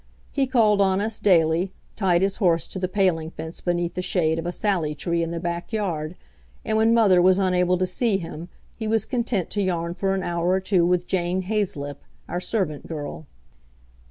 He called on us daily, tied his horse to the paling fence beneath the shade of a sallie tree in the backyard, and when mother was unable to see him he was content to yarn for an hour or two with Jane Haizelip, our servant girl.